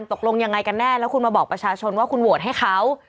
ตกลงยังไงกันแน่แล้วคุณมาบอกประชาชนว่าคุณโหวตให้เขา